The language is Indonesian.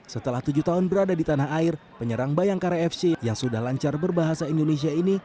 setelah tujuh tahun berada di tanah air penyerang bayangkara fc yang sudah lancar berbahasa indonesia ini